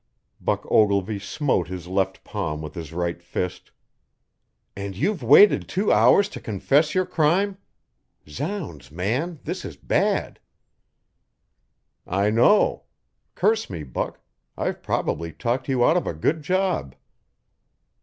Buck Ogilvy smote his left palm with his right fist. "And you've waited two hours to confess your crime? Zounds, man, this is bad." "I know. Curse me, Buck. I've probably talked you out of a good job."